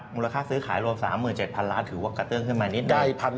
มูลค่าซื้อขายรวม๓๗๐๐ล้านถือว่ากระเตื้องขึ้นมานิด